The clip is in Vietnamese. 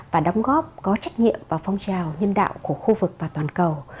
và đóng góp có trách nhiệm vào phong trào nhân đạo của khu vực và toàn cầu